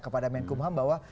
kepada menkumham bahwa